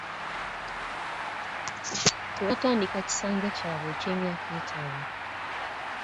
Tebannatandika kisanja kyabwe eky’emyaka ettaano.